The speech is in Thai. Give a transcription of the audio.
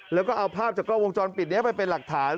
แล้วก็เอาภาพจากกล้องวงจรปิดนี้ไปเป็นหลักฐาน